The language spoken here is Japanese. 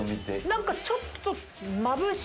何かちょっと。